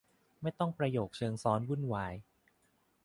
ไม่ต้องประโยคเชิงซ้อนวุ่นวาย